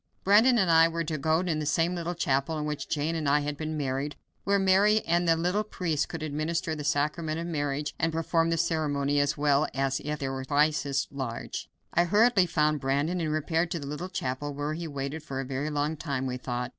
Brandon and I were to go to the same little chapel in which Jane and I had been married, where Mary said the little priest could administer the sacrament of marriage and perform the ceremony as well as if he were thrice as large. I hurriedly found Brandon and repaired to the little chapel, where we waited for a very long time, we thought.